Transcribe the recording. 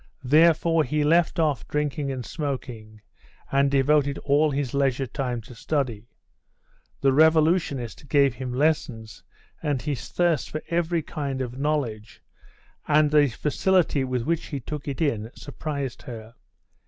Therefore he left off drinking and smoking, and devoted all his leisure time to study. The revolutionist gave him lessons, and his thirst for every kind of knowledge, and the facility with which he took it in, surprised her.